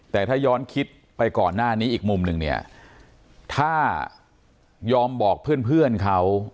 แต่ถ้าย้อนคิดไปก่อนหน้านี้อีกมุมหนึ่งเนี่ยถ้ายอมบอกเพื่อนเขา